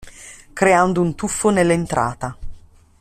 Creando un tuffo nell'entrata.